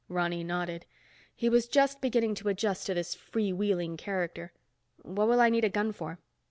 Ronny nodded. He was just beginning to adjust to this free wheeling character. "What will I need a gun for?"